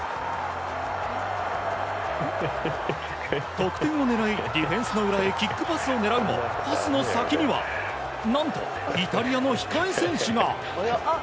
得点を狙いディフェンスの裏へキックパスを狙うもパスの先には何とイタリアの控え選手が。